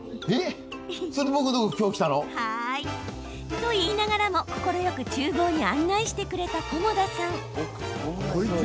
と言いながらも快くちゅう房に案内してくれた菰田さん。